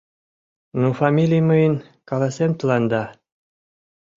Ну фамилий мыйын, каласем тыланда!